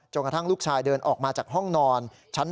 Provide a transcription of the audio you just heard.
กระทั่งลูกชายเดินออกมาจากห้องนอนชั้น๓